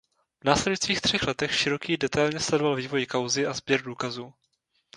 V následujících třech letech Široký detailně sledoval vývoj kauzy a sběr důkazů.